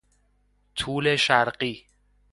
طول شرقی